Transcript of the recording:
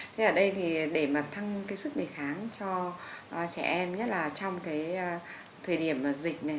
thế ở đây thì để mà tăng cái sức đề kháng cho trẻ em nhất là trong cái thời điểm mà dịch này